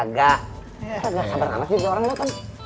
nggak sabar nangis jadi orang lu kan